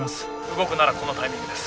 動くならこのタイミングです。